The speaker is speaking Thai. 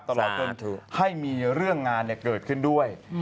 ตลอดต้นให้มีเรื่องงานเกิดขึ้นด้วย